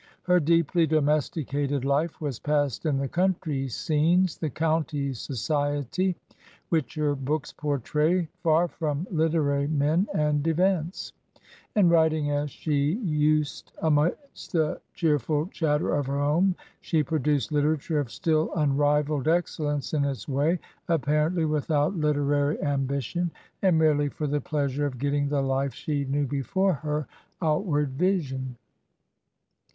• Her deeply domesticated life was passed in the country scenes, the county society, which her books portray, far from literary men and events; and writing as she used, amidst the cheerful chatter of her home, she produced literature of still un rivalled excellence in its way, apparently without lit erary ambition, and merely for the pleasure of getting the life she knew before her outward vision.